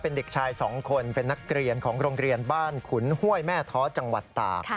เป็นเด็กชาย๒คนเป็นนักเรียนของโรงเรียนบ้านขุนห้วยแม่ท้อจังหวัดตาก